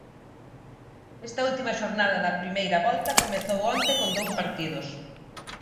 Esta última xornada da primeira volta comezou onte con dous partidos.